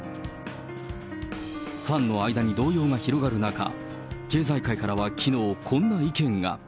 ファンの間に動揺が広がる中、経済界からはきのう、こんな意見が。